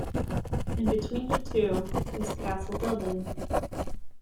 In between the two, is Castle building.